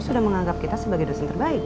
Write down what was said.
sudah menganggap kita sebagai dosen terbaik